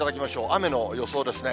雨の予想ですね。